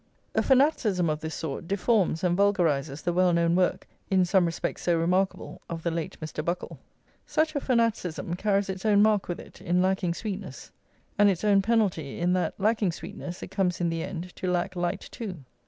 A fanaticism of this sort deforms and vulgarises the well known work, in some respects so remarkable, of the late Mr. Buckle. Such a fanaticism carries its own mark with it, in lacking sweetness; and its own penalty, in that, lacking sweetness, it comes in the end to lack light too.